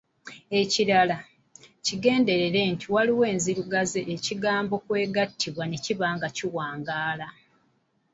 Ekirala, kigenderere nti waliwo enzirugaze ebigambo kw'egattibwa ne kiba nga kiwangaala.